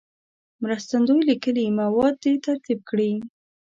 مرستندوی لیکلي مواد دې ترتیب کړي.